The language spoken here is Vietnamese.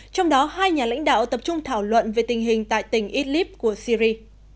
trong đó hai nhà lãnh đạo tập trung thảo luận về tình hình tại tỉnh idlib của syri